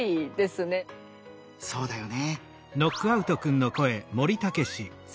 そうだよね。